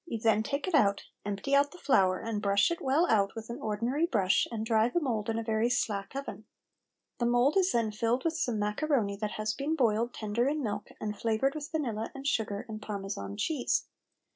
You then take it out, empty out the flour and brush it well out with an ordinary brush and dry the mould in a very slack oven. The mould is then filled with some macaroni that has been boiled tender in milk and flavoured with vanilla and sugar and Parmesan cheese.